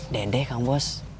dedeh kang bas